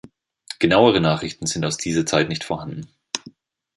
Genauere Nachrichten sind aus dieser Zeit nicht vorhanden.